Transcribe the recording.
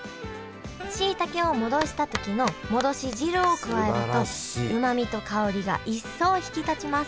しいたけを戻した時の戻し汁を加えるとうまみと香りが一層引き立ちます